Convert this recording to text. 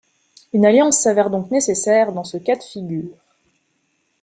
Une alliance s'avère donc nécessaire dans ce cas de figure.